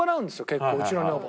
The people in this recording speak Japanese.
結構うちの女房。